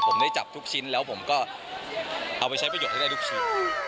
ผมได้จับทุกชิ้นแล้วผมก็เอาไปใช้ประโยชนให้ได้ทุกชิ้น